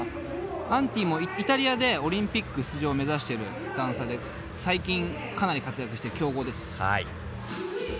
Ａｎｔｉもイタリアでオリンピック出場を目指してるダンサーで最近かなり活躍してる強豪です。